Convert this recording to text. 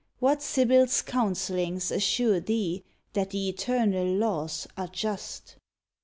What sibyl's counsellings Assure thee that the eternal laws are just?